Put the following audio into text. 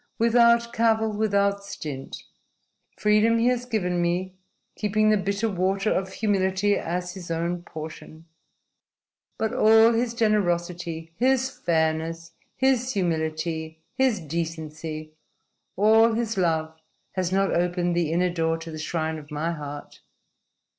Without cavil, without stint. Freedom he has given me, keeping the bitter water of humility as his own portion. But all his generosity, his fairness, his humility, his decency all his love has not opened the inner door to the shrine of my heart.